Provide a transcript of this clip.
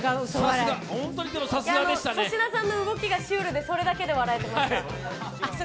粗品さんの動きがシュールで、それだけで笑えました。